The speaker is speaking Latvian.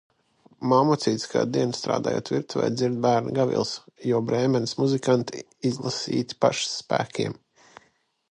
Mammucītis kādu dienu, strādājot virtuvē, dzird bērna gaviles, jo Brēmenes muzikanti izlasīti pašas spēkiem.